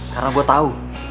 karena gue tau